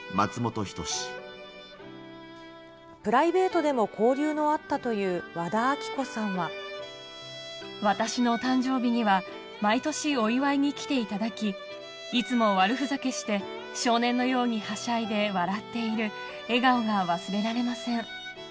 プライベートでも交流のあっ私の誕生日には毎年お祝いに来ていただき、いつも悪ふざけして、少年のようにはしゃいで笑っている笑顔が忘れられません。